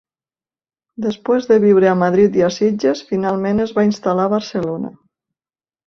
Després de viure a Madrid i a Sitges, finalment es va instal·lar a Barcelona.